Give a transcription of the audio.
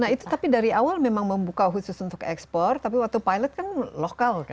nah itu tapi dari awal memang membuka khusus untuk ekspor tapi waktu pilot kan lokal kan